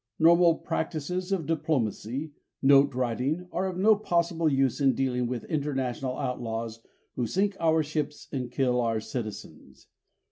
Normal practices of diplomacy note writing are of no possible use in dealing with international outlaws who sink our ships and kill our citizens.